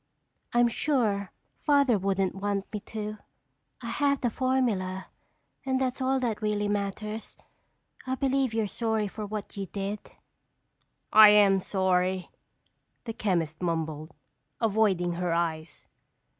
"I'm sure Father wouldn't want me to. I have the formula and that's all that really matters. I believe you're sorry for what you did." "I am sorry," the chemist mumbled, avoiding her eyes.